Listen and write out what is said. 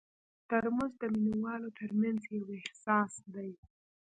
ترموز د مینه والو ترمنځ یو احساس دی.